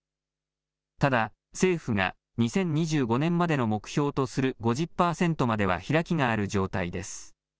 ただ政府が２０２５年までの目標とする５０％までは開きがある状態です。